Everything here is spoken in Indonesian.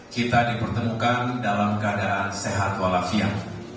kita dipertemukan dalam keadaan sehat walafiat